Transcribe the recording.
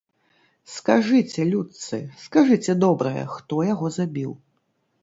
Скажыце, людцы, скажыце, добрыя, хто яго забіў?